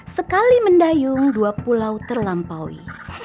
sekali mendayung dua pulau terlampaui